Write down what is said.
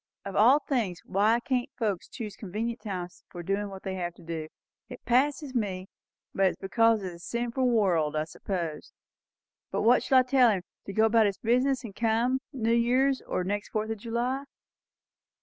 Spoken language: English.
Of all things, why can't folks choose convenient times for doin' what they have to do! It passes me. It's because it's a sinful world, I suppose. But what shall I tell him? to go about his business, and come New Year's, or next Fourth of July?"